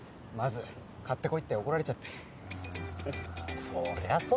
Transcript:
「まず買ってこい」って怒られちゃってああ